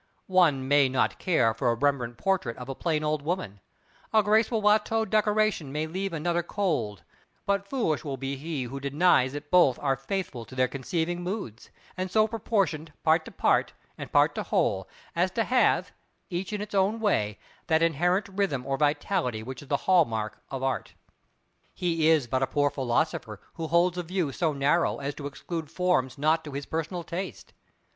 One may not care for a Rembrandt portrait of a plain old woman; a graceful Watteau decoration may leave another cold but foolish will he be who denies that both are faithful to their conceiving moods, and so proportioned part to part, and part to whole, as to have, each in its own way, that inherent rhythm or vitality which is the hall mark of Art. He is but a poor philosopher who holds a view so narrow as to exclude forms not to his personal taste.